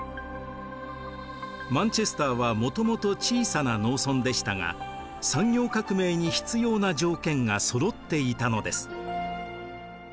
マンチェスターはもともと小さな農村でしたが産業革命に必要な条件がそろっていたのです